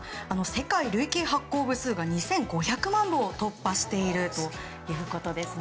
世界累計発行部数が２５００万部を突破しているということです。